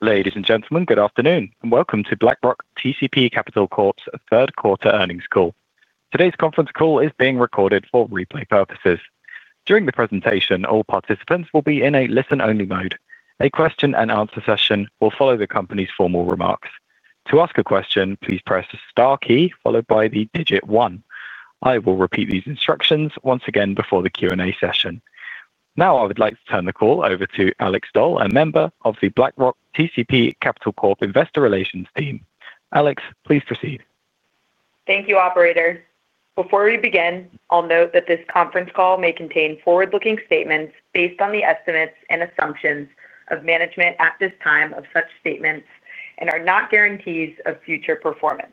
Ladies and gentlemen, good afternoon, and welcome to BlackRock TCP Capital Corp's third quarter earnings call. Today's conference call is being recorded for replay purposes. During the presentation, all participants will be in a listen-only mode. A question-and-answer session will follow the company's formal remarks. To ask a question, please press the star key followed by the digit one. I will repeat these instructions once again before the Q&A session. Now, I would like to turn the call over to Alex Doll, a member of the BlackRock TCP Capital Corp investor relations team. Alex, please proceed. Thank you, Operator. Before we begin, I'll note that this conference call may contain forward-looking statements based on the estimates and assumptions of management at this time. Such statements are not guarantees of future performance.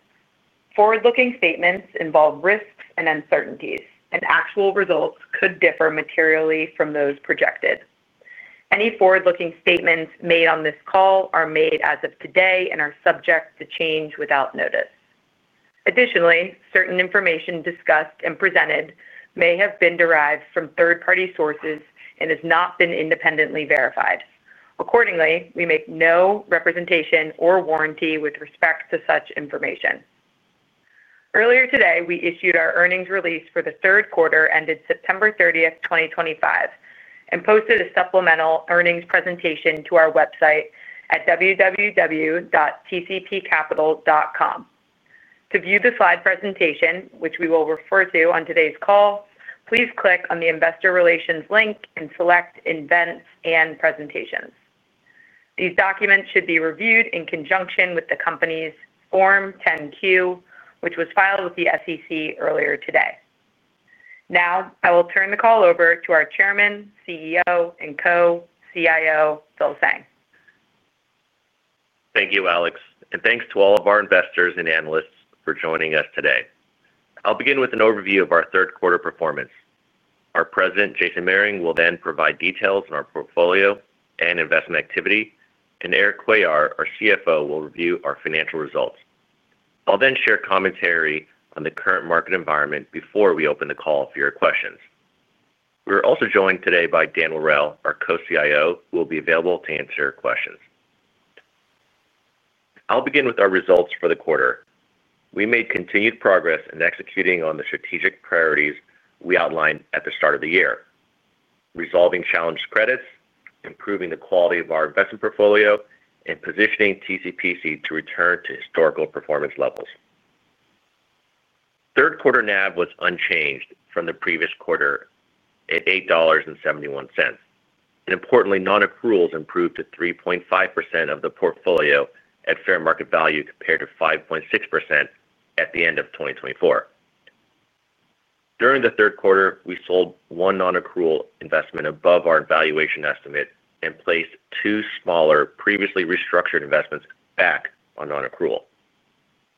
Forward-looking statements involve risks and uncertainties, and actual results could differ materially from those projected. Any forward-looking statements made on this call are made as of today and are subject to change without notice. Additionally, certain information discussed and presented may have been derived from third-party sources and has not been independently verified. Accordingly, we make no representation or warranty with respect to such information. Earlier today, we issued our earnings release for the third quarter ended September 30, 2025, and posted a supplemental earnings presentation to our website at www.tcpcapital.com. To view the slide presentation, which we will refer to on today's call, please click on the investor relations link and select events and presentations. These documents should be reviewed in conjunction with the company's Form 10-Q, which was filed with the SEC earlier today. Now, I will turn the call over to our Chairman, CEO, and co-CIO, Phil Tseng. Thank you, Alex, and thanks to all of our investors and analysts for joining us today. I'll begin with an overview of our third quarter performance. Our President, Jason Mearding, will then provide details on our portfolio and investment activity, and Eric Cuellar, our CFO, will review our financial results. I'll then share commentary on the current market environment before we open the call for your questions. We are also joined today by Dan Laurel, our Co-CIO, who will be available to answer questions. I'll begin with our results for the quarter. We made continued progress in executing on the strategic priorities we outlined at the start of the year, resolving challenged credits, improving the quality of our investment portfolio, and positioning TCPC to return to historical performance levels. Third quarter NAV was unchanged from the previous quarter at $8.71. Importantly, non-accruals improved to 3.5% of the portfolio at fair market value compared to 5.6% at the end of 2024. During the third quarter, we sold one non-accrual investment above our valuation estimate and placed two smaller previously restructured investments back on non-accrual.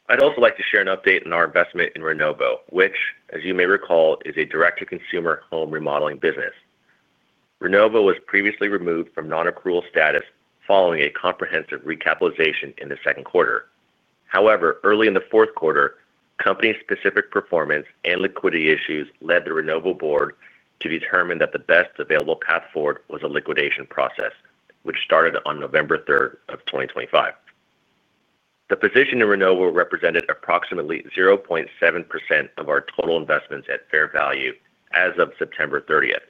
I'd also like to share an update on our investment in Renovo, which, as you may recall, is a direct-to-consumer home remodeling business. Renovo was previously removed from non-accrual status following a comprehensive recapitalization in the second quarter. However, early in the fourth quarter, company-specific performance and liquidity issues led the Renovo board to determine that the best available path forward was a liquidation process, which started on November 3rd of 2025. The position in Renovo represented approximately 0.7% of our total investments at fair value as of September 30th.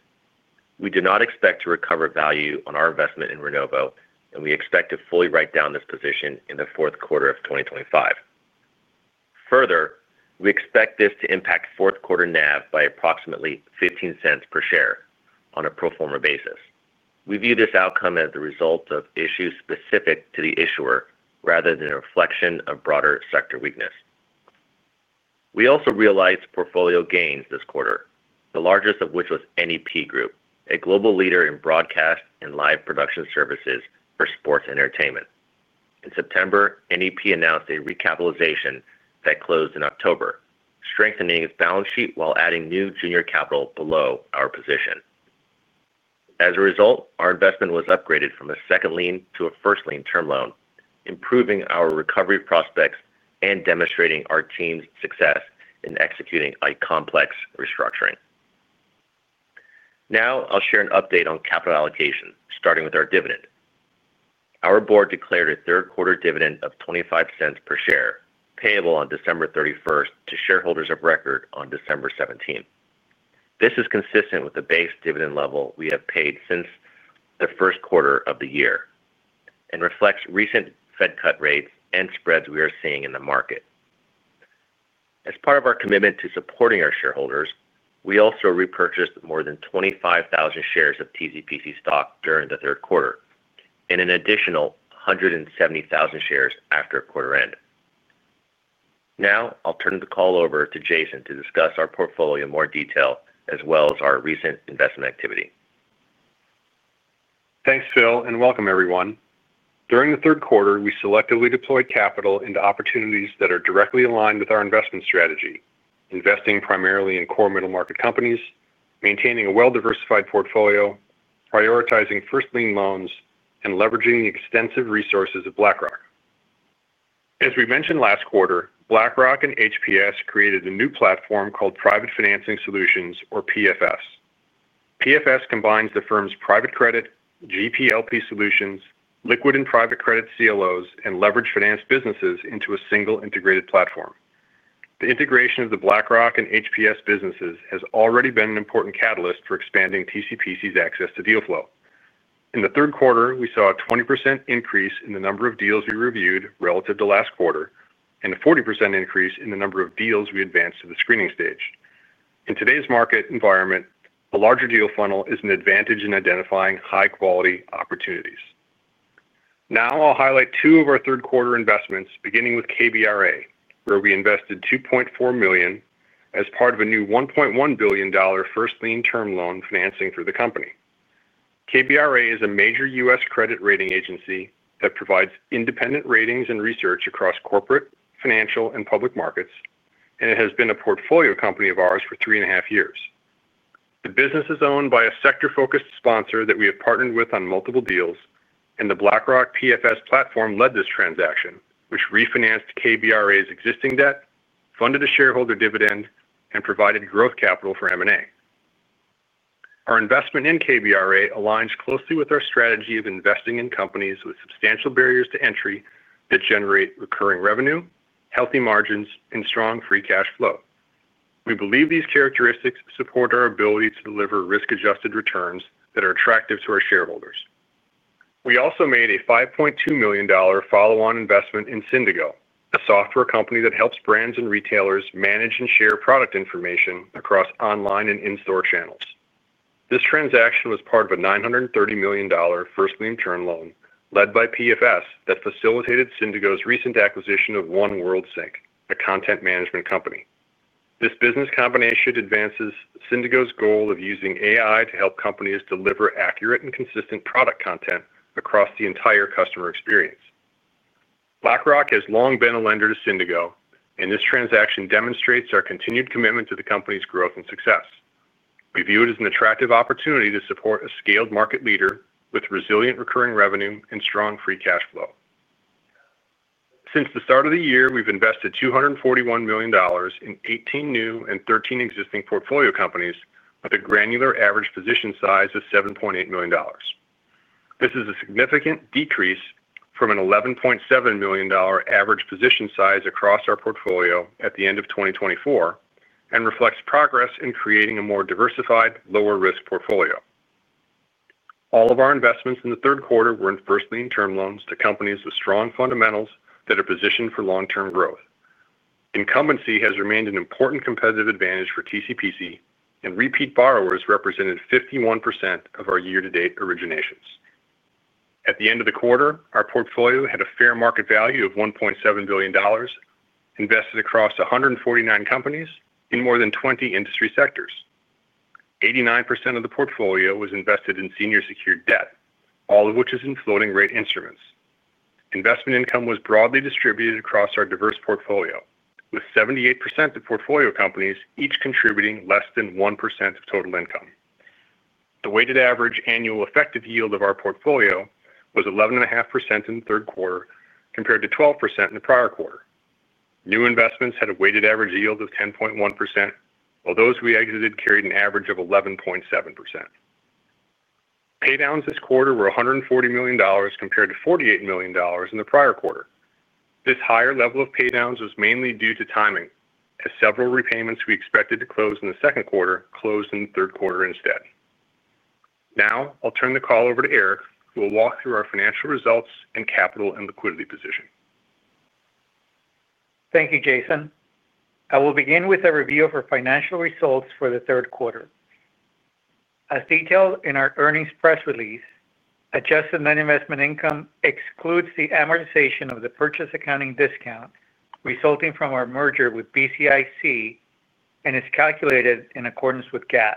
We do not expect to recover value on our investment in Renovo, and we expect to fully write down this position in the fourth quarter of 2025. Further, we expect this to impact fourth quarter NAV by approximately $0.15 per share on a pro forma basis. We view this outcome as the result of issues specific to the issuer rather than a reflection of broader sector weakness. We also realized portfolio gains this quarter, the largest of which was NEP Group, a global leader in broadcast and live production services for sports entertainment. In September, NEP announced a recapitalization that closed in October, strengthening its balance sheet while adding new junior capital below our position. As a result, our investment was upgraded from a second lien to a first lien term loan, improving our recovery prospects and demonstrating our team's success in executing a complex restructuring. Now, I'll share an update on capital allocation, starting with our dividend. Our board declared a third-quarter dividend of $0.25 per share, payable on December 31 to shareholders of record on December 17. This is consistent with the base dividend level we have paid since the first quarter of the year and reflects recent Fed cut rates and spreads we are seeing in the market. As part of our commitment to supporting our shareholders, we also repurchased more than 25,000 shares of TCPC stock during the third quarter and an additional 170,000 shares after quarter-end. Now, I'll turn the call over to Jason to discuss our portfolio in more detail as well as our recent investment activity. Thanks, Phil, and welcome, everyone. During the third quarter, we selectively deployed capital into opportunities that are directly aligned with our investment strategy, investing primarily in core middle-market companies, maintaining a well-diversified portfolio, prioritizing first lien loans, and leveraging the extensive resources of BlackRock. As we mentioned last quarter, BlackRock and HPS created a new platform called Private Financing Solutions, or PFS. PFS combines the firm's private credit, GPLP solutions, liquid and private credit CLOs, and leverage finance businesses into a single integrated platform. The integration of the BlackRock and HPS businesses has already been an important catalyst for expanding TCPC's access to deal flow. In the third quarter, we saw a 20% increase in the number of deals we reviewed relative to last quarter and a 40% increase in the number of deals we advanced to the screening stage. In today's market environment, a larger deal funnel is an advantage in identifying high-quality opportunities. Now, I'll highlight two of our third-quarter investments, beginning with KBRA, where we invested $2.4 million as part of a new $1.1 billion first lien term loan financing for the company. KBRA is a major U.S. credit rating agency that provides independent ratings and research across corporate, financial, and public markets, and it has been a portfolio company of ours for three and a half years. The business is owned by a sector-focused sponsor that we have partnered with on multiple deals, and the BlackRock PFS platform led this transaction, which refinanced KBRA's existing debt, funded a shareholder dividend, and provided growth capital for M&A. Our investment in KBRA aligns closely with our strategy of investing in companies with substantial barriers to entry that generate recurring revenue, healthy margins, and strong free cash flow. We believe these characteristics support our ability to deliver risk-adjusted returns that are attractive to our shareholders. We also made a $5.2 million follow-on investment in Syndigo, a software company that helps brands and retailers manage and share product information across online and in-store channels. This transaction was part of a $930 million first lien term loan led by PFS that facilitated Syndigo's recent acquisition of 1WorldSync, a content management company. This business combination advances Syndigo's goal of using AI to help companies deliver accurate and consistent product content across the entire customer experience. BlackRock has long been a lender to Syndigo, and this transaction demonstrates our continued commitment to the company's growth and success. We view it as an attractive opportunity to support a scaled market leader with resilient recurring revenue and strong free cash flow. Since the start of the year, we've invested $241 million in 18 new and 13 existing portfolio companies with a granular average position size of $7.8 million. This is a significant decrease from an $11.7 million average position size across our portfolio at the end of 2024 and reflects progress in creating a more diversified, lower-risk portfolio. All of our investments in the third quarter were in first lien term loans to companies with strong fundamentals that are positioned for long-term growth. Incumbency has remained an important competitive advantage for TCPC, and repeat borrowers represented 51% of our year-to-date originations. At the end of the quarter, our portfolio had a fair market value of $1.7 billion, invested across 149 companies in more than 20 industry sectors. 89% of the portfolio was invested in senior-secured debt, all of which is in floating-rate instruments. Investment income was broadly distributed across our diverse portfolio, with 78% of portfolio companies each contributing less than 1% of total income. The weighted average annual effective yield of our portfolio was 11.5% in the third quarter compared to 12% in the prior quarter. New investments had a weighted average yield of 10.1%, while those we exited carried an average of 11.7%. Paydowns this quarter were $140 million compared to $48 million in the prior quarter. This higher level of paydowns was mainly due to timing, as several repayments we expected to close in the second quarter closed in the third quarter instead. Now, I'll turn the call over to Erik, who will walk through our financial results and capital and liquidity position. Thank you, Jason. I will begin with a review of our financial results for the third quarter. As detailed in our earnings press release, adjusted net investment income excludes the amortization of the purchase accounting discount resulting from our merger with BCIC and is calculated in accordance with GAAP.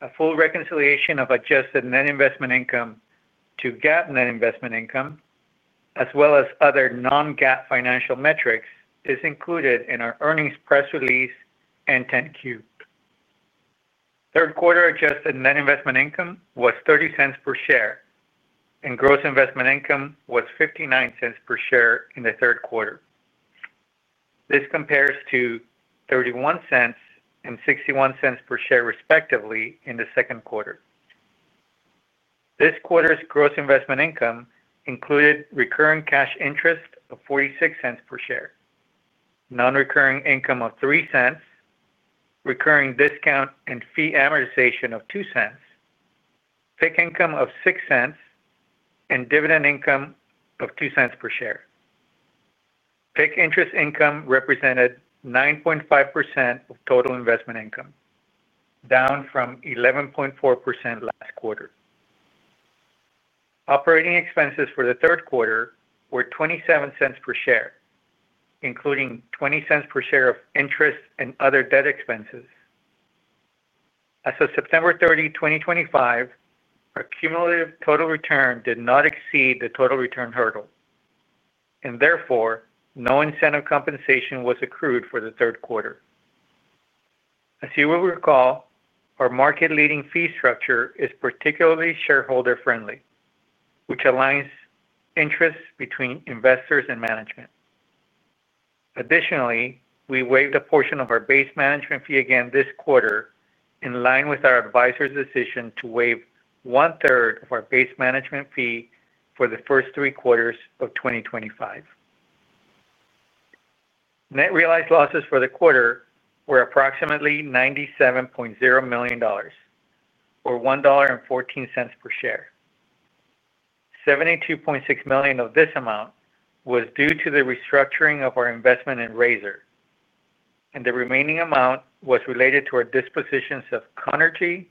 A full reconciliation of adjusted net investment income to GAAP net investment income, as well as other non-GAAP financial metrics, is included in our earnings press release and Form 10Q. Third quarter adjusted net investment income was $0.30 per share, and gross investment income was $0.59 per share in the third quarter. This compares to $0.31 and $0.61 per share, respectively, in the second quarter. This quarter's gross investment income included recurring cash interest of $0.46 per share, non-recurring income of $0.03, recurring discount and fee amortization of $0.02. Pick income of $0.06, and dividend income of $0.02 per share. Pick interest income represented 9.5% of total investment income, down from 11.4% last quarter. Operating expenses for the third quarter were $0.27 per share, including $0.20 per share of interest and other debt expenses. As of September 30, 2025, our cumulative total return did not exceed the total return hurdle. Therefore, no incentive compensation was accrued for the third quarter. As you will recall, our market-leading fee structure is particularly shareholder-friendly, which aligns interests between investors and management. Additionally, we waived a portion of our base management fee again this quarter, in line with our advisor's decision to waive one-third of our base management fee for the first three quarters of 2025. Net realized losses for the quarter were approximately $97.0 million, or $1.14 per share. $72.6 million of this amount was due to the restructuring of our investment in Razor. The remaining amount was related to our dispositions of Connergy,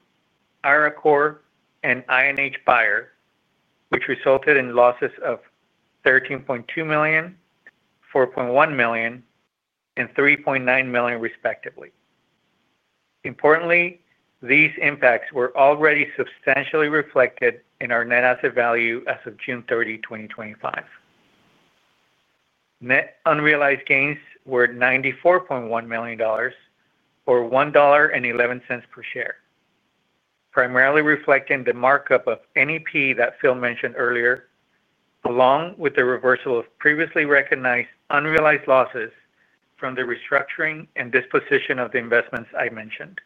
Iracore, and INH Buyer, which resulted in losses of $13.2 million, $4.1 million, and $3.9 million, respectively. Importantly, these impacts were already substantially reflected in our net asset value as of June 30, 2025. Net unrealized gains were $94.1 million, or $1.11 per share, primarily reflecting the markup of NEP that Phil mentioned earlier, along with the reversal of previously recognized unrealized losses from the restructuring and disposition of the investments I mentioned.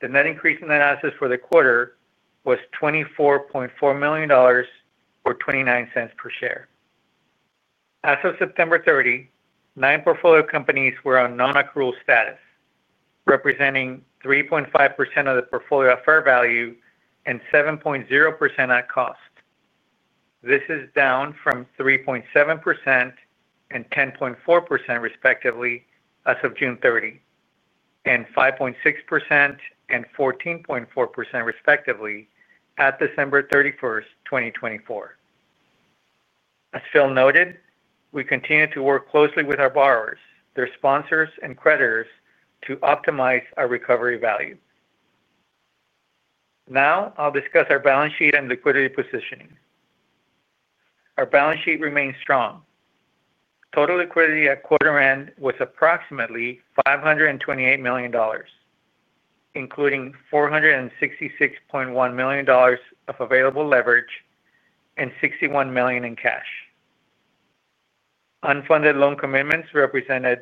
The net increase in net assets for the quarter was $24.4 million, or $0.29 per share. As of September 30, nine portfolio companies were on non-accrual status, representing 3.5% of the portfolio at fair value and 7.0% at cost. This is down from 3.7%. 10.4%, respectively, as of June 30. 5.6% and 14.4%, respectively, at December 31, 2024. As Phil noted, we continue to work closely with our borrowers, their sponsors, and creditors to optimize our recovery value. Now, I'll discuss our balance sheet and liquidity positioning. Our balance sheet remains strong. Total liquidity at quarter-end was approximately $528 million, including $466.1 million of available leverage and $61 million in cash. Unfunded loan commitments represented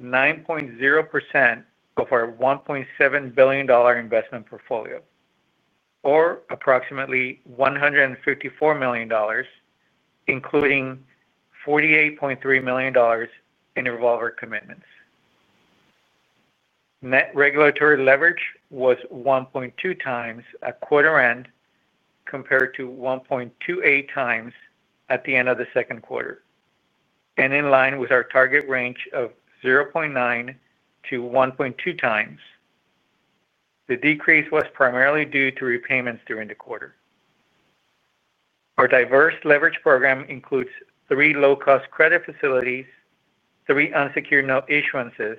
9.0% of our $1.7 billion investment portfolio, or approximately $154 million, including $48.3 million in revolver commitments. Net regulatory leverage was 1.2x at quarter-end compared to 1.28x at the end of the second quarter and in line with our target range of 0.9x-1.2x. The decrease was primarily due to repayments during the quarter. Our diverse leverage program includes three low-cost credit facilities, three unsecured note issuances,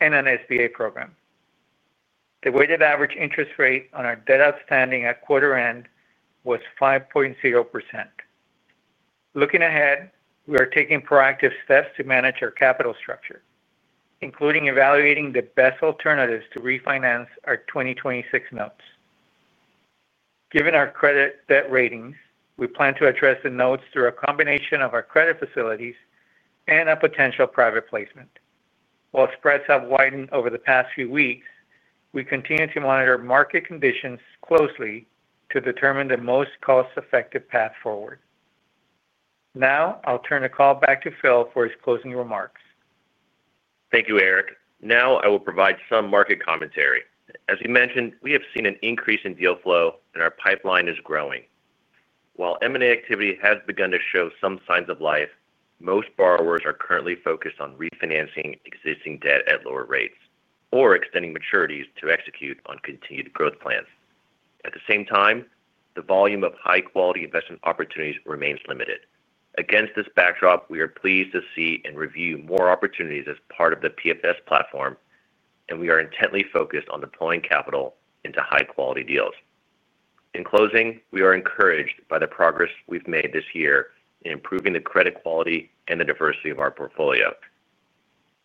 and an SBA program. The weighted average interest rate on our debt outstanding at quarter-end was 5.0%. Looking ahead, we are taking proactive steps to manage our capital structure, including evaluating the best alternatives to refinance our 2026 notes. Given our credit debt ratings, we plan to address the notes through a combination of our credit facilities and a potential private placement. While spreads have widened over the past few weeks, we continue to monitor market conditions closely to determine the most cost-effective path forward. Now, I'll turn the call back to Phil for his closing remarks. Thank you, Erik. Now, I will provide some market commentary. As we mentioned, we have seen an increase in deal flow, and our pipeline is growing. While M&A activity has begun to show some signs of life, most borrowers are currently focused on refinancing existing debt at lower rates or extending maturities to execute on continued growth plans. At the same time, the volume of high-quality investment opportunities remains limited. Against this backdrop, we are pleased to see and review more opportunities as part of the PFS platform, and we are intently focused on deploying capital into high-quality deals. In closing, we are encouraged by the progress we've made this year in improving the credit quality and the diversity of our portfolio.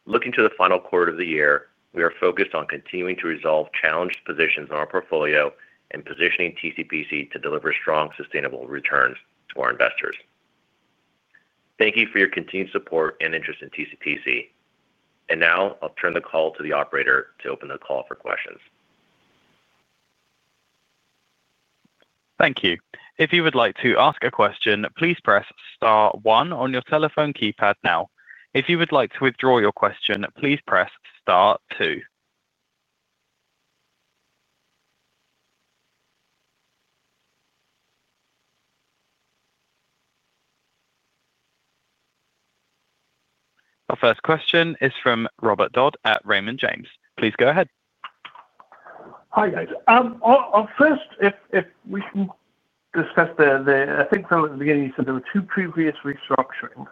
Looking to the final quarter of the year, we are focused on continuing to resolve challenged positions in our portfolio and positioning TCPC to deliver strong, sustainable returns to our investors. Thank you for your continued support and interest in TCPC. I will now turn the call to the operator to open the call for questions. Thank you. If you would like to ask a question, please press star one on your telephone keypad now. If you would like to withdraw your question, please press star two. Our first question is from Robert Dodd at Raymond James. Please go ahead. Hi, guys. First, if we can discuss the, I think Phil was beginning to say there were two previous restructurings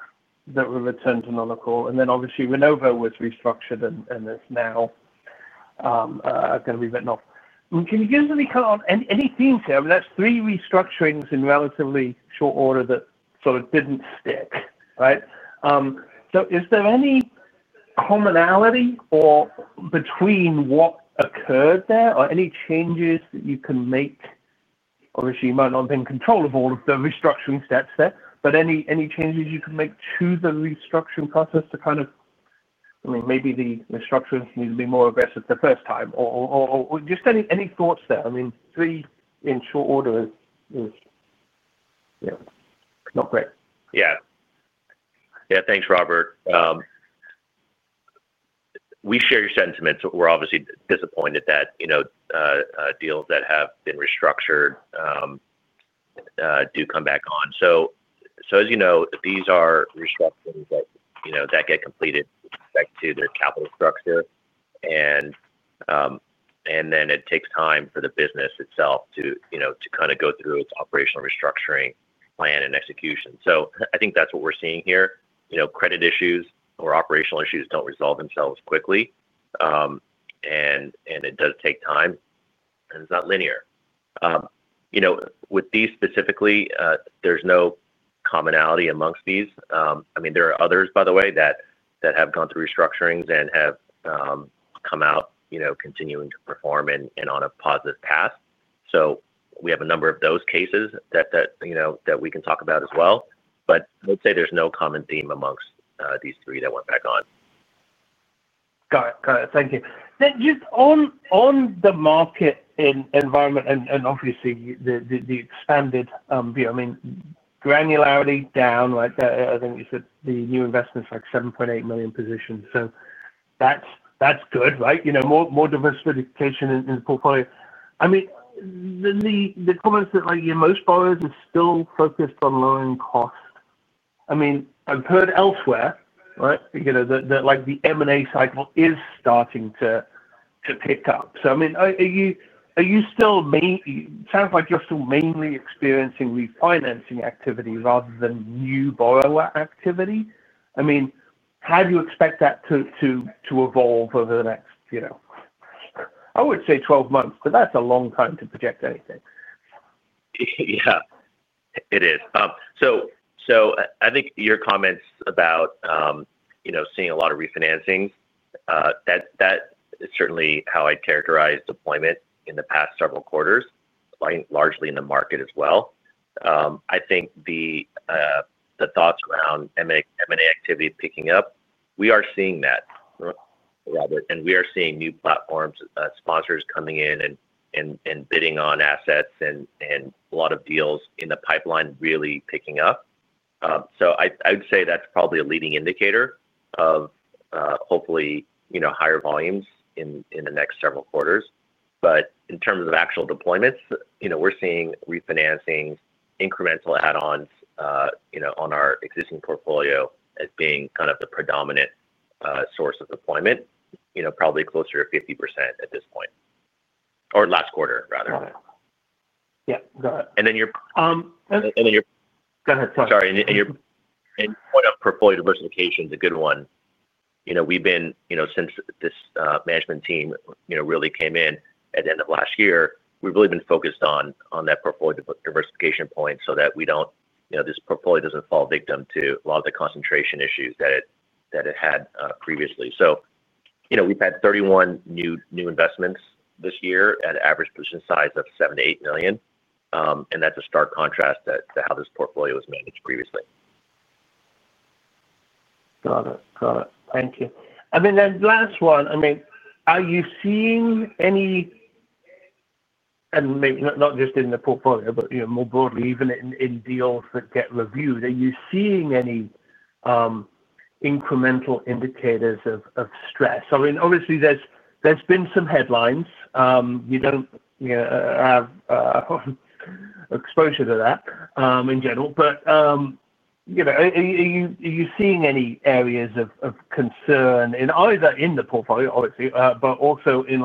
that were returned to NOLACOR, and then obviously, Renovo was restructured and is now going to be written off. Can you give us any kind of any themes here? I mean, that's three restructurings in relatively short order that sort of did not stick, right? Is there any commonality between what occurred there or any changes that you can make? Obviously, you might not have been in control of all of the restructuring steps there, but any changes you can make to the restructuring process to kind of, I mean, maybe the structures need to be more aggressive the first time or just any thoughts there? I mean, three in short order is, yeah, not great. Yeah, thanks, Robert. We share your sentiments. We're obviously disappointed that deals that have been restructured do come back on. As you know, these are restructurings that get completed back to their capital structure. It takes time for the business itself to kind of go through its operational restructuring plan and execution. I think that's what we're seeing here. Credit issues or operational issues do not resolve themselves quickly. It does take time. It's not linear. With these specifically, there's no commonality amongst these. I mean, there are others, by the way, that have gone through restructurings and have come out continuing to perform and on a positive path. We have a number of those cases that we can talk about as well. I would say there's no common theme amongst these three that went back on. Got it. Thank you. Then just on the market environment and obviously the expanded view, I mean, granularity down, right? I think you said the new investment's like $7.8 million positions. So that's good, right? More diversification in the portfolio. I mean. The comments that most borrowers are still focused on lowering costs. I mean, I've heard elsewhere, right, that the M&A cycle is starting to pick up. So I mean. Are you still, sounds like you're still mainly experiencing refinancing activity rather than new borrower activity. I mean, how do you expect that to evolve over the next, I would say, 12 months? Because that's a long time to project anything. Yeah, it is. I think your comments about seeing a lot of refinancings, that is certainly how I'd characterize deployment in the past several quarters, largely in the market as well. I think the thoughts around M&A activity picking up, we are seeing that, Robert, and we are seeing new platforms, sponsors coming in and bidding on assets and a lot of deals in the pipeline really picking up. I would say that's probably a leading indicator of hopefully higher volumes in the next several quarters. In terms of actual deployments, we're seeing refinancings, incremental add-ons on our existing portfolio as being kind of the predominant source of deployment, probably closer to 50% at this point, or last quarter, rather. Got it. Yeah, got it. Go ahead. Sorry. Sorry. Your point of portfolio diversification is a good one. We have been, since this management team really came in at the end of last year, really focused on that portfolio diversification point so that we do not, this portfolio does not fall victim to a lot of the concentration issues that it had previously. We have had 31 new investments this year at an average position size of $7 million-$8 million. That is a stark contrast to how this portfolio was managed previously. Got it. Thank you. I mean, then last one, I mean, are you seeing any—maybe not just in the portfolio, but more broadly, even in deals that get reviewed—are you seeing any incremental indicators of stress? I mean, obviously, there's been some headlines. You do not have exposure to that in general. Are you seeing any areas of concern, either in the portfolio, obviously, but also in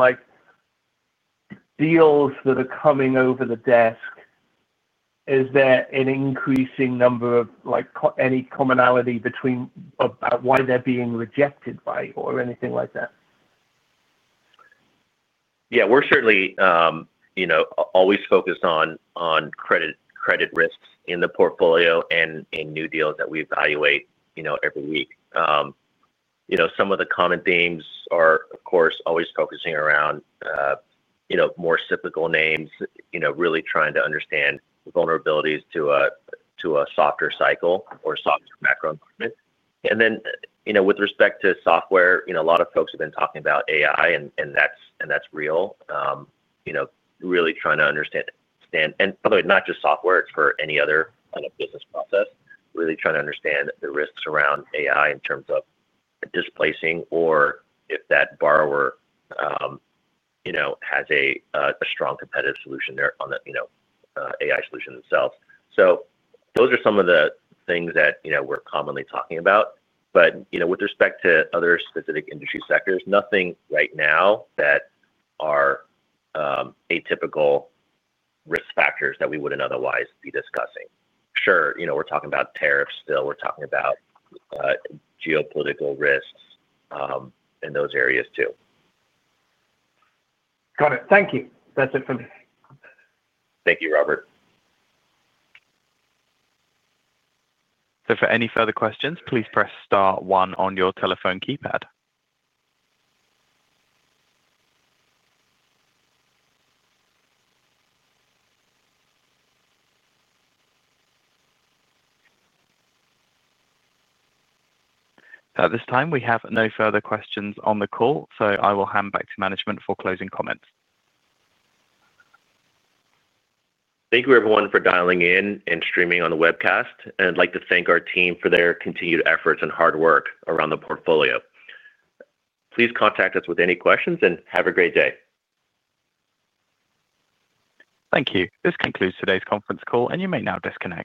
deals that are coming over the desk? Is there an increasing number of any commonality about why they're being rejected by or anything like that? Yeah, we're certainly always focused on credit risks in the portfolio and in new deals that we evaluate every week. Some of the common themes are, of course, always focusing around more cyclical names, really trying to understand vulnerabilities to a softer cycle or softer macro environment. And then with respect to software, a lot of folks have been talking about AI, and that's real. Really trying to understand—and by the way, not just software, it's for any other kind of business process—really trying to understand the risks around AI in terms of displacing or if that borrower has a strong competitive solution there on the AI solution themselves. So those are some of the things that we're commonly talking about. But with respect to other specific industry sectors, nothing right now that are atypical risk factors that we wouldn't otherwise be discussing. Sure, we're talking about tariffs still. We're talking about geopolitical risks in those areas too. Got it. Thank you. That's it for me. Thank you, Robert. For any further questions, please press Star 1 on your telephone keypad. At this time, we have no further questions on the call, so I will hand back to management for closing comments. Thank you, everyone, for dialing in and streaming on the webcast. I would like to thank our team for their continued efforts and hard work around the portfolio. Please contact us with any questions and have a great day. Thank you. This concludes today's conference call, and you may now disconnect.